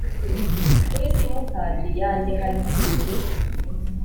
kuri Simukadi yanjye hariho nimero